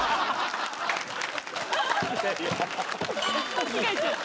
間違えちゃった。